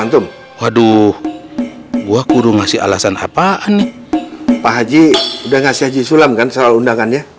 antum waduh gua kudu ngasih alasan apaan nih pak haji udah ngasih sulam kan soal undangannya